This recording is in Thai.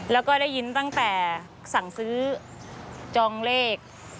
แล้วก็ได้ยินตั้งแต่สั่งซื้อจองเลข